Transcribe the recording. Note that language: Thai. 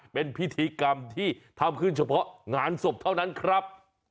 เป็นพิธีกรรมที่ทำขึ้นเฉพาะงานศพเท่านั้นครับ